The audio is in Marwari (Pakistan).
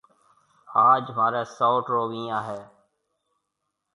آج مهاريَ سئوٽ رو ويهان هيَ۔